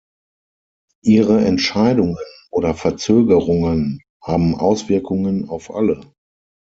Ihre Entscheidungen oder Verzögerungen haben Auswirkungen auf alle.